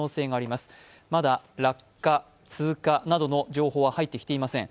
まだ落下・通過などの情報は入ってきていません。